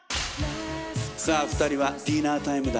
さあ２人はディナータイムだ。